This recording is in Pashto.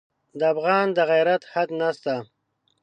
د افغان د غیرت حد نه شته.